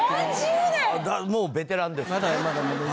もうベテランですね。